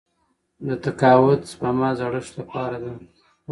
د تقاعد سپما د زړښت لپاره ده.